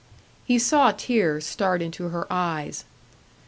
He saw tears start into her eyes.